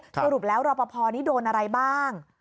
สรุปแล้วรอปภนี้โดนอะไรบ้าง